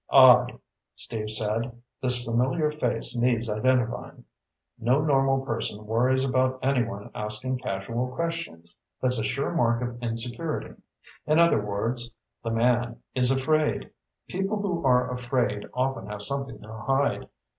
"Odd," Steve said. "This familiar face needs identifying. No normal person worries about anyone asking casual questions. That's a sure mark of insecurity. In other words, the man is afraid. People who are afraid often have something to hide.